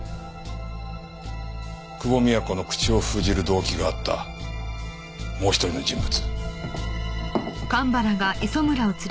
久保美也子の口を封じる動機があったもう一人の人物。